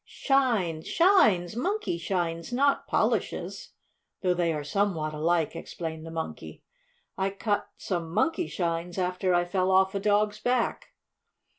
"Shines! Shines! Monkeyshines, not polishes, though they are somewhat alike," explained the Monkey. "I cut some Monkeyshines after I fell off a dog's back."